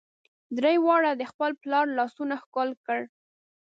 درې واړو د خپل پلار لاسونه ښکل کړل.